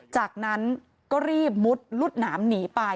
จากนั้นก็รีบมุดลุดหนามหนีไป